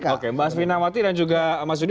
oke mbak asvina mati dan juga mas yudi